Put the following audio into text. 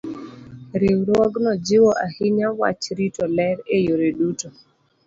Riwruogno jiwo ahinya wach rito ler e yore duto.